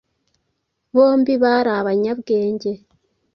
bombi bari abanyabwenge